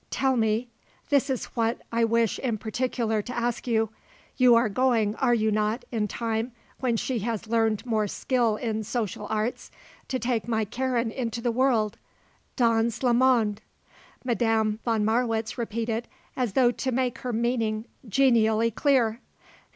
Tell me this is what I wish in particular to ask you you are going, are you not, in time, when she has learned more skill in social arts, to take my Karen into the world dans le monde," Madame von Marwitz repeated, as though to make her meaning genially clear.